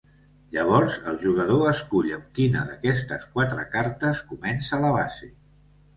Llavors el jugador escull amb quina d'aquestes quatre cartes comença la base.